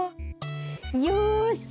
よし！